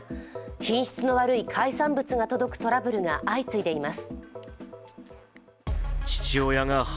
品質の悪い海産物が届くトラブルが相次いでいます。